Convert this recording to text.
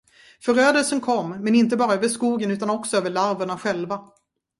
Förödelsen kom, men inte bara över skogen, utan också över larverna själva.